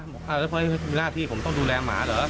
บอกอ้าวแล้วเพราะมีหน้าที่ผมต้องดูแลหมาเหรอ